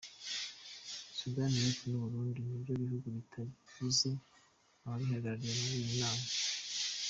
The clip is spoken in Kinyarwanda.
Sudani y’Epfo n’u Burundi ni byo bihugu bitagize ababihagararira muri iyi nama.